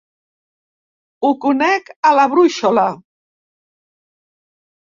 Ho conec a la brúixola.